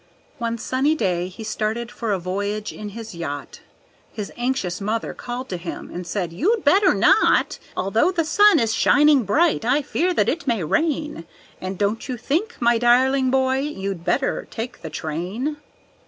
One sunny day he started for a voyage in his yacht, His anxious mother called to him, and said, "You'd better not! Although the sun is shining bright, I fear that it may rain; And don't you think, my darling boy, you'd better take the train?"